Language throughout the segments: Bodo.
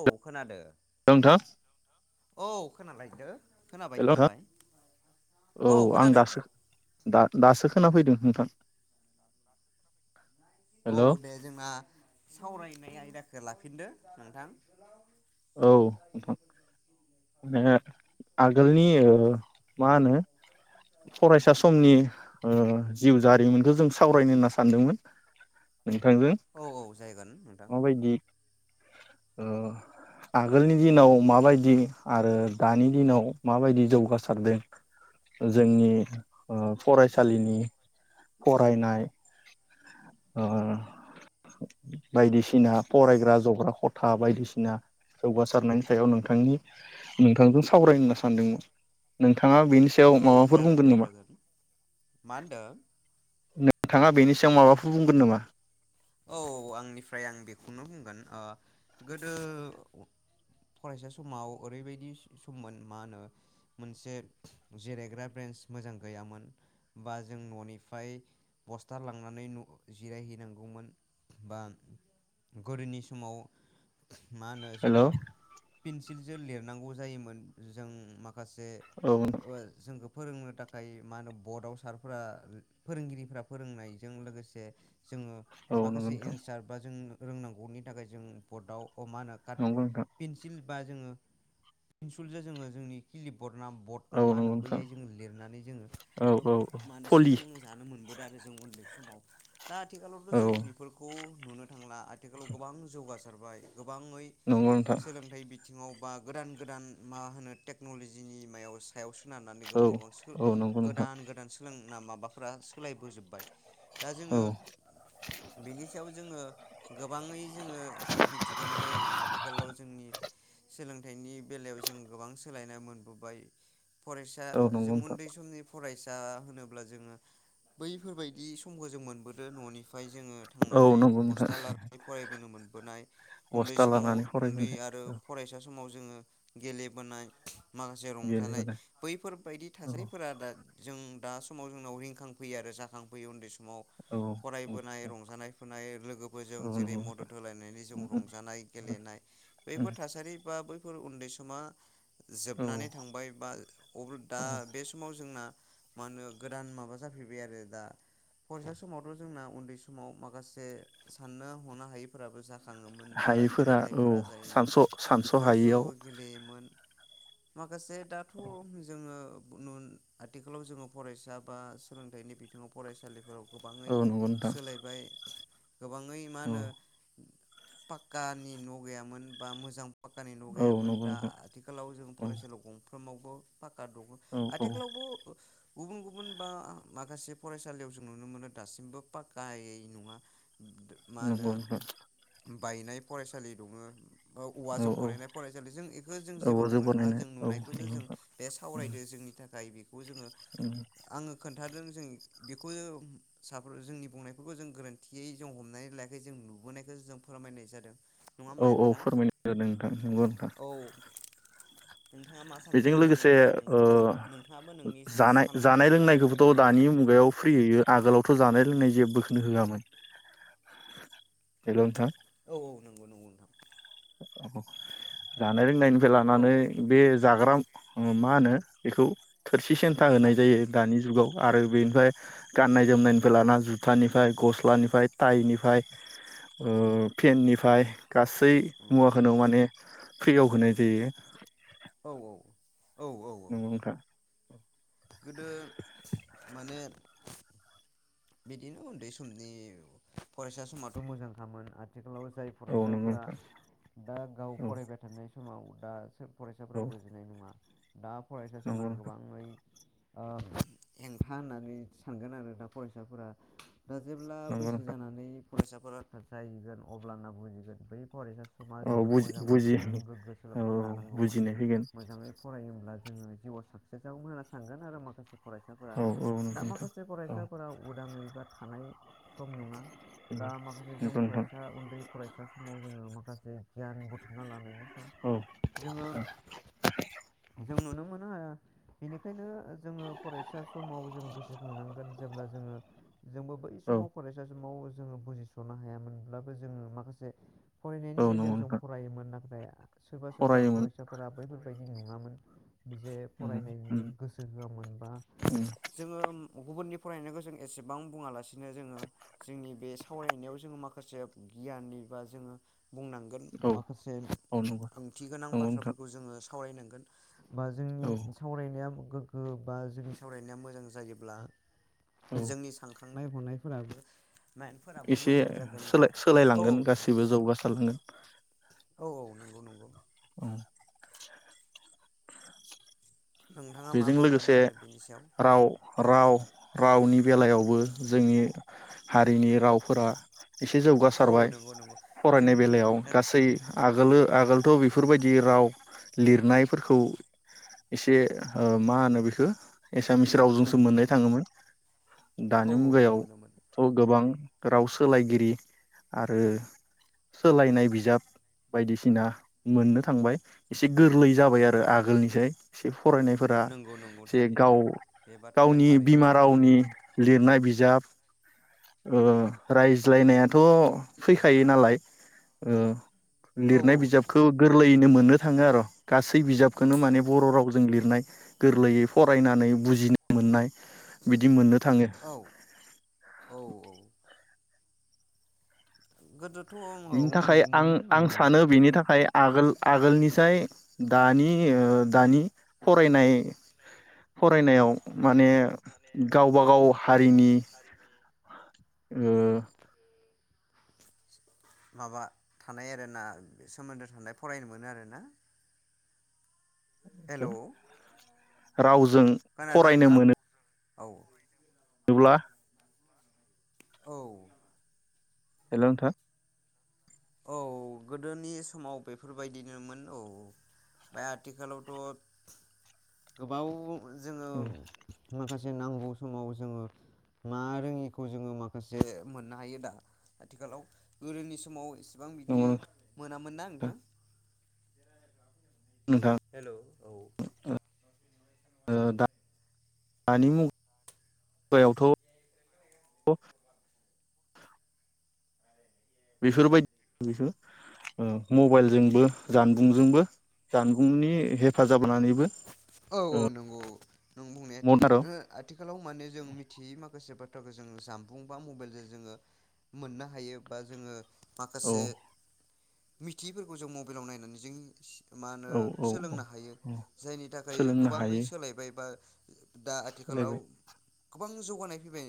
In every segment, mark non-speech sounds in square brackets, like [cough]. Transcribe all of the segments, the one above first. औ खोनादो हेल' नोंथां औ खोनालायदो खोनाबाय हेलौ खोनाबाय औ आं दासो दा-दासो खोनाफैदो नोंथां औ दे जोंना सावरायनाय आयदा खो लाफिनदो नोंथां। औ नोंथां नोङो आगोलनि ओ मा होनो फरायसा समनि ओ जिउ जारिमिनखौ जों सावरायनो होनना सानदोंमोन। नोंथांजों औ औ जागोन नोंथां माबायदि ओ आगोलनि दिनाव माबायदि आरो दानि दिनाव माबायदि जौगासारदों जोंनि ओ फरायसालिनि फरायनाय ओ बायदिसिना फरायग्रा जग्रा खथा बायदिसिना जौगासारनायनि सायाव नोंथांनि नोंथांजों सावरायनो होन्ना सानदोंमोन नोंथाङा थाङा बेनि सायाव औ माबाफोर जागोन बुंगोन दे नामा? जागोन मा होनदों नोंथाङा बेनि सायाव माबाफु बुंगोन नामा? औ आंनिफ्राय आं बेखौनो बुंगोन ओ गोदो फरायसा समाव ओरैबायदि सममोन मा होनो मोनसे जिरायग्रा ब्रेन्स मोजां गैयामोन बा जों ननिफ्राय बस्था लांनानै जिरायहैनांगौमोन। बा गोदोनि समाव मा होनो हेल' जोङो औ फिनस सिल जो लिरनांगौ जायोमोन जों मा खासे ओ जोंखौ फोरोंनो थाखाय मा होनो बदाव सारफ्रा फोरोंगिरिफ्रा फोरोंनायजों लोगोसे जोङो औ नंगौ माखासे नोंथां एन्सार बा जों रोंनांगौनि थाखाय जों बदाव अ मानो होनो कात नंगौ नोंथां पिन्सिल बा जोङो पिनसुलजों जोङो जोंनि खिलिब बरद ना बद ना औ मा होनो नंगौ नोंथां बैयाय जोङो लिरनानै औ जोङो औ औ मा होनो फलि सोलों जानो मोनबोदों आरो जों उन्दै समाव। दा आथिखालावथ औ जों खौ नुनो थांला आथिखालाव गोबां जौगासा सोरबाय गोबाङै नंगौ नोंथां सोलोंथाइ बि बिथिङाव बा गोदान गोदान मा होनो टेक्नलजिनि मायावस थायाव सोनारनानै औ गोबां गोबां औ नंगौ नोंथां सो-गोदान गोदान सोलों ना माबाफ्रा सोलायबोजोबबाय। दा जोङो औ बिनि सायाव जोङो गोबाङै जोङो मिथिगोन बे आथिखालाव जोंनि सोलोंथाइनि बेलायाव जों गोबां सोलायनाय मोनबोबाय। फरायसा औ नंगौ जों नोंथां उन्दै समनि फरायस दा होनोब्ला जोङो बैफोरबायदि समखौ जों मोनबोदो ननिफ बेहाय जोङो औ थांनानै नंगौ नोंथां बस्था लानानै फरायबोनो मोनबोनाय उन्दै बस्था समाव लानानै उन्दै फरायबोनाय आरो औ फरायसा समाव जोङो गेलेबोनाय माखासे रंजानाय गेलेबोनाय बैफोरबायदि औ थासारिफोरा दा जों दा समाव जोंनाव रिंखांफैयो आरो जाखांफैयो उन्दै सम औ बोनाय रंजानाय फोनाय लोगोफोरजों औ जेरै नंगौ मदद होलायनानै जों रंजानाय गेलेनाय बैफोर थासारि बा बै फोर उन्दै समा औ जोबनानै थांबाय बा अ दा बे समाव जोंना मा होनो गोदान माबा जाफैबाय आरो दा फरायसा समावथ जोंना न्दैसमाव माखासे साननो हनो हायैफोराबो जा खङोमोन बा हायैफोरा औ गेलेनायफोरा जायोमोन सानस' सानस' ज ज‌ हायियाव गेलेयोमोन। माखासे दाथ जोङो आथिखालाव जोङो फरायसा बा सोलोंथाइनि बिथिङाव फरायसालिफोराव गोबाङै औ नंगौ नोंथां सोलायबाय गोबाङै मा औ होनो पाक्कानि न गैयामोन बा मोजां फाक्कानि न औ गैयामोन नंगौ दा नोंथां आथिखालाव जों औ फरायसालियाव गंफ्रोममाव [unintelligible] पाक्का दङ। औ औ गुबुन गुबुन बा माखासे फरायसालियाव जों नुनो मोनो दासिमबो फाक्कायै नङा मा होनो नंगौ‌ नंग। बायनाय फरायसालि दङो। औ औ औवाजों औ बनायनाय फरायसालि जों एखो जों जेबो औ जौ बुंनो थाङा बानायनाय जों औ नुनायखौसो जों बे सावरायदों जोंनि थाखाय बेखौ जोङो आङो खोन खोनथादों जों बेखौ साफोर जोंनि बुंनायफोरखौ जों गोरोन्थियै जों हमनानै लायाखै जों नुबोनायखौ जों फोरमायनाय जादों। नङा होमबा औ औ नोंथां फोरमायनोदों नोंथां नंगौ नोंथां। औ नोंथाङा मा बेजों सानगोन बेनि लोगोसे बेलायाव ओ नोंथांबो नोंथाङाबो नोंनि जानाय-जानाय साननायजों लोंनायखौबोथ फोरमायनो थाखाय दानि आङो मुगायाव औ फ्रियै आगोलावथ जानाय लोंनाय जेबोखो नो होआमोन। औ औ नंगौ नंगौ नोंथां। जानाय लोंनायनिफ्राय औ लानानै बे जाग्रा उम मा होनो बेखौ थोरसि सेन्था ओंखा होनाय जायो दानि जुगाव। आरो बेनिफ्राय गाननाय जोमनायनिफ्राय लाना जुथानिफ्राय गस्लानिफ्राय टाइनिफ्राय पेेननिफ्राय ओ गासै औ मुवाखौया माने फ्रियाव होनाय जायो। औ औ। औ औ नंगौ नोंथां [unintelligible] गोदो माने बिदिनो उन्दै समनि फरायसा समाथ मोजांखामोन आथिखालाव जाय औ नंगौ फरायसाफोरा नोंथां दा गाव औ फरायबाय थानाय [unintelligible] औ फरायसाफोरा बोजिनाय नङा। दा फरायसा समा नंगौ नोंथां गोबाङै ओ हेंथा होननानै सानगोन आरो दा फरायसाफोरा दा जेब्ला नंगौ बैसो नोंथां जानानै फरायसाफोरा [unintelligible] जाहैगोन अब्लाना बुजिगोन बै फरायसा समा औ जोबोद बुजि मोजांमोन बुजि जों गोगो औ सोलोंथाइ लानांगौमोन बुजिनाय फैगोन मोजाङै फरायोब्ला जोङो जिउआव साक्सेस जागौमोन होनना सानगोन आरो माखासे फरायसाफोरा औ औ नंगौ दा नोंथां माखासे औ फरायसा नखराव उदाङै बा थानाय सम नङा दा माखासे जों नंगौ नोंथां फरायसा उन्दै फरायसा समाव जोङो माखासे गियान बुथुमना लानाय औ [unintelligible] जों नुनो मोनो ओ बेनिखायनो जोङो फरायसा समाव जों गोसोखांनांगोन। जेब्ला जोङो जोंबो बै औ समाव फरायसा समाव जोङो बुजिसनो हायामोनब्लाबो जोङो माखासे फरायनायनि औ बेलायाव नंगौ जों नोंथां फरायोमोन नाथाय सोरबा सोरबा फरायोमोन फरायसाफोरा बैफोर [unintelligible] निं नङामोन। जे औ फरायनायनि गोसो होआमोनबा जोङो गुबुननि फरायनायखौ जों एसेबां बुङालासिनो जोङो जोंनि बे सावरायनायाव जोङो माखासे गियाननि बा जोङो बुंनांगोन माखासे औ नंगौ ओंथि गोनां नोंथां बाथ्राफोरखौ जोङो सावरायनांगोन बा औ जोंनि सावरायनाया गोग्गो बा जोंनि सावरायनाया मोजां जायोब्ला औ जोंनि सानखा साननाय हनायफोराबो माइन्दफोराबो एसे मोजां जागोन बा औ सोलाय-सोलायलांगोन औ नोंथां गासिबो जौगासारलांगोन। औ औ नंगौ नंगौ औ नोंथाङा मा बेजों बुंगोन लोगोसे आरो बिनि सायाव? राव राव रावनि बेलायावबो जोंनि हारिनि रावफोरा एसे औ जौगासारबाय नंगौ नंगौ फरायनाय जोंनि बेलायाव गासै आगोलो आगोलथ बेफोरबायदि राव लिरनायफोरखौ एसे ओ मा होनो बेखो? एसामिस औ रावजोंसो मोननाय थाङोमोन। दानि औ मुगायाव मोनो मोनो थ गोबां राव सोलायगिरि आरो सोलायनाय बिजाब बायदिसिना मोननो थांबाय एसे गोरलै जाबाय आरो आगोलनिसाय एसे फरायनाय फोरा नंगौ नंगौ जे थारैनो गाव बे बाथ्राया गावनि थारैनो बिमा सैथो रावनि लिरनाय बिज बिजाब अ रायज्लायनायाथ फैखायो नालाय। औ लिरनाय औ नंगौ बिजाबखौ गोरलैयैनो मोनो। थाङो आर गासै बिजाब खोनो माने औ बर रावजों लिर गोरलैयै फरायनानै बुजिनो मोननाय। बिदि मोननो थाङो। औ औ औ गोदोथ बिनि औ थाखाय नंगौमोन आं आं औ सानो बेनि थाखाय आगोल-आगोलनिसाय दानि ओ दानि फरायनाय फरायनायाव माने गावबागाव हारिनि उम माबा थानाय आरोना सोमोन्दो थानाय फरायनो मोनो आरोना। हेल राव जों फरायनो मोनो। औ [unintelligible] औ हेल नोंथां। औ गोदोनि समाव बेफोरबायदिनोमोन औ ओमफाय आथिखालावथ गोबाव [unintelligible] जोङो माखासे जे नांगौ समाव जोङो मा रोङिखौ जोङो माखासे मोननो हायो दा आथिखालाव गोदोनि समाव सेबां बिदि नंगौ नोंथां मोनामोना नोंथां? नोंथां हेलौ ओ दानि [unintelligible] मुगायावथ' बेफोरबायदि बेखौ ओ मबाइलजोंबो जानबुंजोंबो जानबुंनि हेफाजाब लानानैबो औ औ नंगौ। नों बुंनाया मदार' थिगानो आथिखालाव माने जों मिथियै माखासे बाथ्रा जोङो जानबुं बा मबाइलजों जोङो मोननो हायो बा जोङो औ माखासे मिथियैफोरखौ जों मबाइलाव नायनानै जों मा होनो औ सोलोंनो हायो औ जायनि थाखाय ओमफ्राय सोलोंनो गोबाङै हायो सोलायबाय बा दा आथिखालाव सोलायबाय [unintelligible] गोबां जौगानाय फैबाय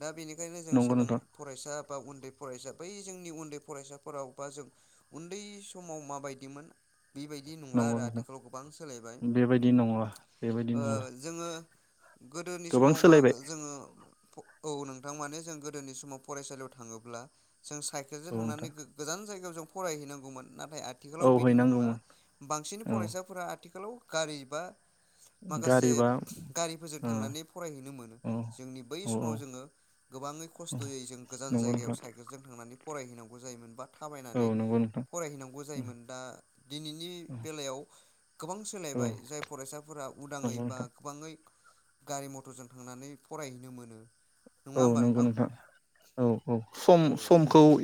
दा बेनिखायनो जों नंगौ सोलों नोंथां फरायसा बा उन्दै फरायसा बै जोंनि उन्दै फरायसाफोराव बा जों उन्दै समाव माबायदिमोन। बेबायदि नंला आरो आथिखालाव गोबां सोलायबाय बिदि नंला बेबायदि ओ नंला। [unintelligible] गोदोनि गोबां समाव मागो सोलायबाय जोङो औ नोंथां माने जों गोदोनि समाव फरायसालियाव थाङोब्ला जों साइकेल जो औ थांनानै नोंथां गोजान जायगायाव [unintelligible] फरायहैनांगौमोन। नाथाय औ आथिखालाव बिदि नंला हैनांगौमोन बांसिन औ फरायसाफोरा आथिखालाव गारि [unintelligible] माखासे गारिबा गारिफोरजों ओ थांनानै फरायहैनो मोनो औ जोंनि बै औ औ समाव जोङो गोबाङै औ खस्थयै जों गोजान नंगौ जायगायाव नोंथां साइकेलजों थांनानै फरायहैनांगौ जायोमोन बा औ थाबायनानै नंगौ नोंथां फरायहैनांगौ जायोमोन दा दिनैनि बेलायाव गोबां औ सोलायबाय जाय फरायसाफोरा उदाङै नंगौ बा नोंथां गोबाङै गारि मथरजों थांनानै फरायहैनो मोनो औ नङा होमबा नंगौ नोंथां औ औ।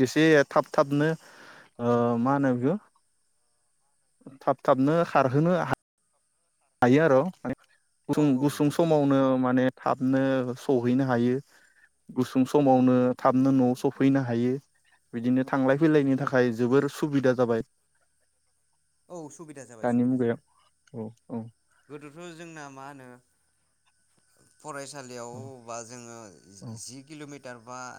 थाब थाबनो ओ मा होनो बिखौ थाब थाबनो खारहोनो हा हायो आर [unintelligible] [unintelligible] औ औ गुसुं नंगौ नंगौ समावनो माने थाबनो सहैनो हायो गुसुं सु समावनो थाबनो न'आव सफैनो हायो बिदिनो थांलाय फैलायनि थाखाय जोबोर सुबिदा जाबाय औ सुबिदा जाबाय दानि सुबिदा मुगायाव जाबाय औ औ गोदोथ' जोंना मा होनो औ फरायसालियावबा जोङो जि किल'मि हथारबाद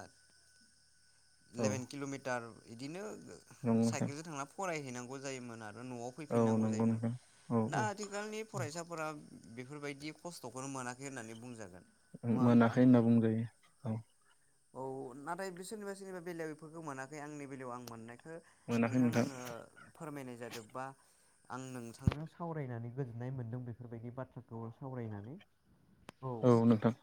औ इलेभेन किल'मिटार इदिनो ओ नंगौ नोंथां साइकेलजों थांनानै फराय हैनांगौ जायोमोन आरो। न'आव औ फैफिननांगौ नंगौ जायोमोन नोंथां औ दा औ आथिखालनि फरायसाफोरा बेफोरबायदि खस्थ'खौनो मोनाखै होननानै बुंजागोन ओ नङा होमबा मोनाखै होनना बुंजायो औ औ नाथाय बे सोरनिबा सोरनिबा बेलायाव बेफोरखौ मोनाखै आंनि बेलायाव आं मोननाय ओ मोनाखै नोंथांनो नोंथां आङो फोरमायनाय जादो बा आं नोंथांनो सावरायनानै गोजोन नाय मोन्दों बेफोरबायदि बाथ्राखौ सावरायनानै औ नोंथां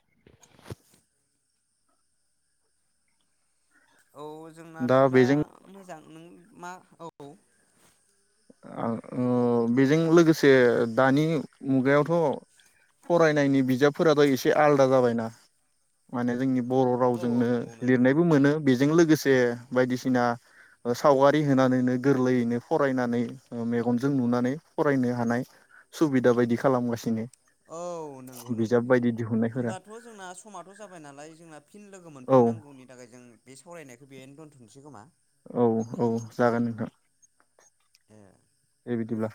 औ जोंनाथ' दा मोजां नों मा औ ओ औ बेजों लोगोसे दानि मुगायावथ' फरायनायनि बिजाबफोराथ' एसे आलदा जाबायना माने जोंनि बर' औ औ रावजोंनो नंगौ नोंथां लिरनायबो औ मोनो बेजों लोगोसे बे बायदिसिना सावगारि होनानैनो गोरलैयैनो फरायनानै मेगनजों नुनानै फरायनो हानाय सुबिदा बायदि खालामगासिनो औ नोंगौ बिजाब नंगौ बायदि दिहुननायफोरा होमबाथ' जोंना समाथ' जाबाय नालाय जोंना फिन लोगो औ मोनफिननांगौनि थाखाय जों बे सावरायनायखौ बेहायनो दोनथनोसै खोमा? औ औ जागोन नोंथां ए दे बिदिब्ला